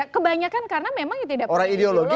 kebanyakan karena memang ya tidak punya ideologi